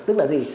tức là gì